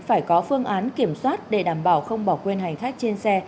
phải có phương án kiểm soát để đảm bảo không bỏ quên hành khách trên xe